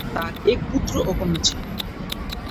তার এক পুত্র ও কন্যা ছিল।